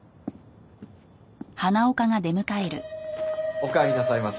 おかえりなさいませ。